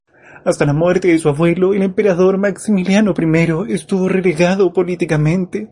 Hasta la muerte de su abuelo, el emperador Maximiliano I, estuvo relegado políticamente.